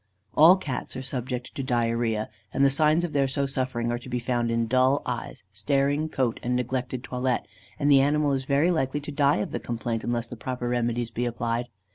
All cats are subject to diarrhœa, and the signs of their so suffering are to be found in dull eyes, staring coat and neglected toilet, and the animal is very likely to die of the complaint unless the proper remedies be applied.